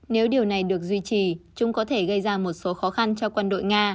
nếu điều này được duy trì chúng có thể gây ra một số khó khăn cho quân đội nga